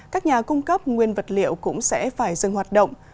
các nhà cung cấp nguyên vật liệu cũng sẽ phải dừng hoạt động